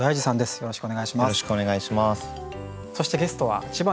よろしくお願いします。